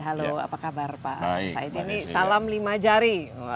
halo apa kabar pak said ini salam lima jari